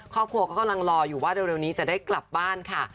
ครอบครัวก็กำลังรออยู่ว่าเร็วนี้จะได้กลับบ้านค่ะ